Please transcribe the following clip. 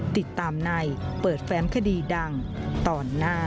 ติดตามในเปิดแฟ้มคดีดังตอนหน้า